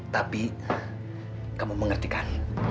tapi kamu mengertikan